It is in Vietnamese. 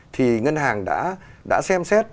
thì ngân hàng đã xem xét